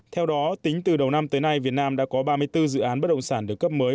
theo đó tính từ đầu năm tới nay việt nam đã có ba mươi bốn dự án bất động sản được cấp mới